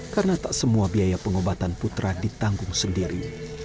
karena tak semua biaya pengobatan putra ditanggung sendiri